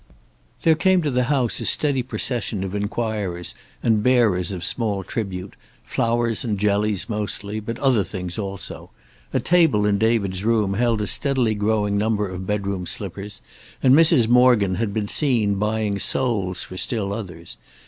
There came to the house a steady procession of inquirers and bearers of small tribute, flowers and jellies mostly, but other things also. A table in David's room held a steadily growing number of bedroom slippers, and Mrs. Morgan had been seen buying soles for still others.